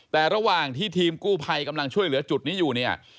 แต่ระหว่างที่ทีมกู้ภัยกำลังช่วยเหลือจุดนี้อยู่เนี่ย